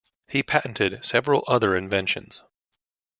He patented several other inventions.